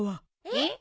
えっ？